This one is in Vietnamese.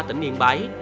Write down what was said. tỉnh yên bái